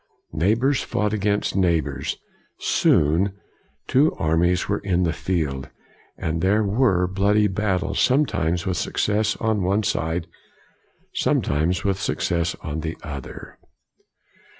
Neighbors fought against neigh bors. Soon, two armies were in the field, and there were bloody battles, sometimes with success on one side, sometimes with success on the other.